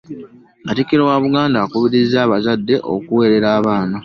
Kattikiro wa Buganda yakubiriza abazadde okuweerera abaana.